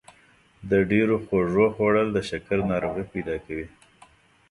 د ډېرو خوږو خوړل د شکر ناروغي پیدا کوي.